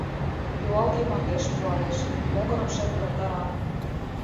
Юалге мардеж пуалеш, могырым шергылтара.